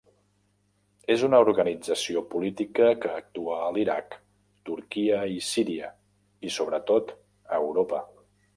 És una organització política que actua a l'Iraq, Turquia i Síria i sobretot a Europa.